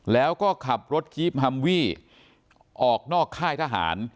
แล้วก็ขับรถกีฟฮัมวี่ออกนอกค่ายทหาร